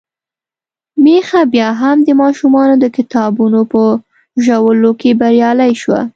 ميښه بيا هم د ماشومانو د کتابونو په ژولو کې بريالۍ شوه.